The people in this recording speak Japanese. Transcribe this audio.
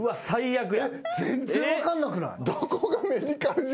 全然分かんなくない？